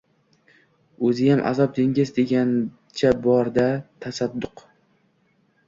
O‘ziyam Azob dengiz degancha bor-da, tasadduq!